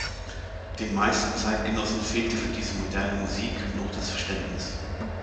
Den meisten Zeitgenossen fehlte für diese „moderne“ Musik noch das Verständnis.